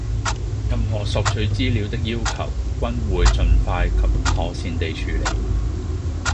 任何索取資料的要求均會盡快及妥善地處理